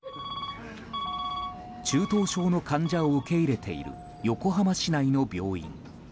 中等症の患者を受け入れている横浜市内の病院。